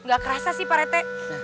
gak kerasa sih pak rete